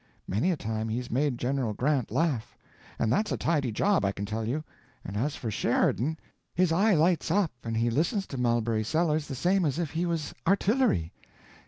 Many a time he's made General Grant laugh—and that's a tidy job, I can tell you, and as for Sheridan, his eye lights up and he listens to Mulberry Sellers the same as if he was artillery.